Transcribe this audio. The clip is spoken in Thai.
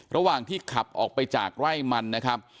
ระหว่างที่ขับออกไปจากไร่มันนะครับ